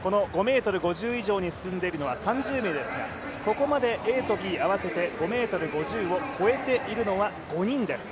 ５ｍ５０以上に進んでいるのは３０名ですがここまでＡとＢ合わせて５ｍ５０を越えているのは５人です。